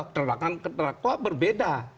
keterangan terdakwa berbeda